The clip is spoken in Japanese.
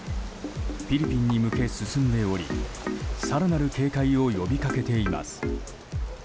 フィリピンに向け進んでおり更なる警戒を呼びかけています。